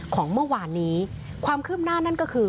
ของเมื่อวานนี้ความคืบหน้านั่นก็คือ